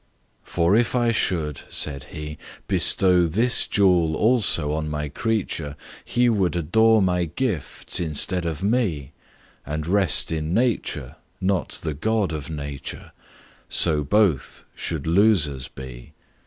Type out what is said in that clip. For if I should (said He)Bestow this jewel also on My creature, He would adore My gifts instead of Me, And rest in Nature, not the God of Nature:So both should losers be.